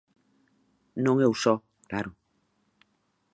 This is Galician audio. Non eu só, claro.